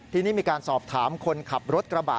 ทีนี้มีการสอบถามคนขับรถกระบะ